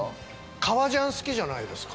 革ジャン好きじゃないですか？